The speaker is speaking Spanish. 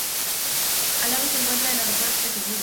Al lado se encuentra el aeropuerto de Friburgo.